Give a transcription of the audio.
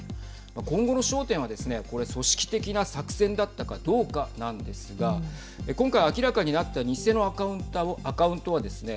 今後の焦点はですね、これ組織的な作戦だったかどうかなんですが今回、明らかになった偽のアカウントはですね